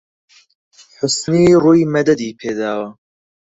حوسنی ڕووی مەدەدی پێ داوە